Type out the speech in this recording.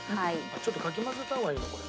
ちょっとかき混ぜた方がいいねこれ。